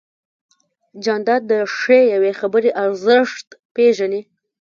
جانداد د ښې یوې خبرې ارزښت پېژني.